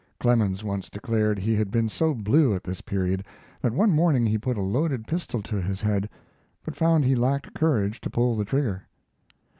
[Clemens once declared he had been so blue at this period that one morning he put a loaded pistol to his head, but found he lacked courage to pull the trigger.